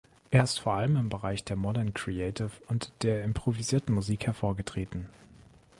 Er ist vor allem im Bereich des Modern Creative und der improvisierten Musik hervorgetreten.